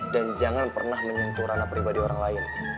dan jangan pernah menyentuh rana pribadi orang lain